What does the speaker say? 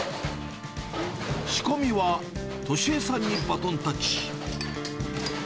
仕込みは利枝さんにバトンタッチ。